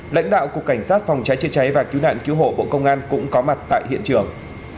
lãnh đạo cục cảnh sát phòng cháy chế cháy và cứu nạn cứu hộ bộ công an cũng có mặt tại hiện trường